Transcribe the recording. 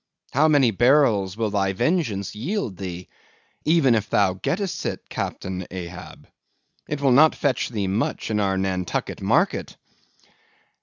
How many barrels will thy vengeance yield thee even if thou gettest it, Captain Ahab? it will not fetch thee much in our Nantucket market."